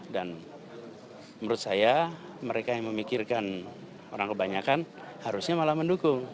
dan menurut saya mereka yang memikirkan orang kebanyakan harusnya malah mendukung